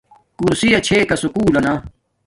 کورسیا چھے کا سکُول لنا